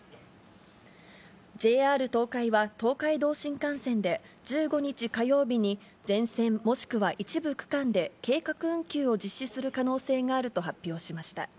ＪＲ東海は東海道新幹線で、１５日火曜日に全線、もしくは一部区間で計画運休を実施する可能性があると発表しました。